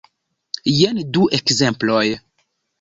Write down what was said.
Jen du ekzemploj.